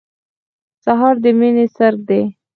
سهار د مینې څرک دی.